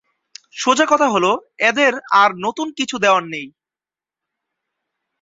সোজা কথা হল, এদের আর নতুন কিছু দেয়ার নেই।